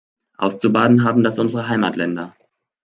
Auszubaden haben das unsere Heimatländer.